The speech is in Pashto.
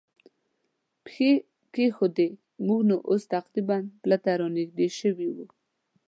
پښې کېښوودې، موږ نو اوس تقریباً پله ته را نږدې شوي و.